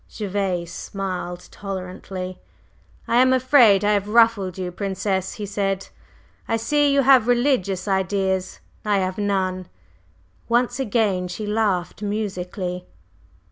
Gervase smiled tolerantly. "I am afraid I have ruffled you, Princess," he said. "I see you have religious ideas: I have none." Once again she laughed musically.